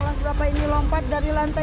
kelas berapa ini lompat dari lantai empat